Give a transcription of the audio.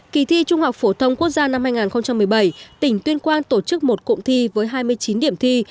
kỳ thi trung học phổ thông quốc gia năm hai nghìn một mươi bảy tỉnh tuyên quang tổ chức một cụm thi với hai mươi chín điểm thi